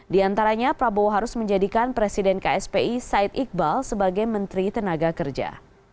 diantaranya prabowo harus menjadikan presiden ksp said iqbal sebagai menteri tenaga kerja